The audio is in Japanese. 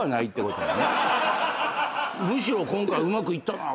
むしろ今回うまくいったなと。